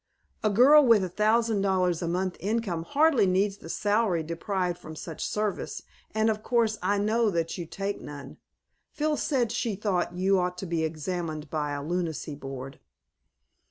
A girl with a thousand dollars a month income hardly needs the salary derived from such service, and, of course, I know that you take none. Phyl said she thought you ought to be examined by a lunacy board."